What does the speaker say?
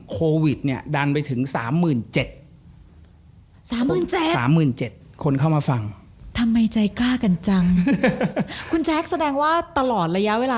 ก็เป็นคนกล้ากลัว